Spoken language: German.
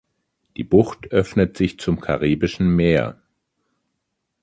Die Bucht öffnet sich zum Karibischen Meer.